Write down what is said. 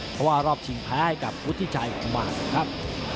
เพราะว่ารอบชิงแพ้ให้กับพุทธิชัยของว่านครับ